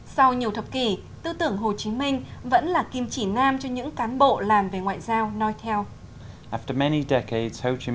sau nhiều thập kỷ tư tưởng hồ chí minh vẫn là kim chỉ nam cho những cán bộ làm về ngoại giao nói theo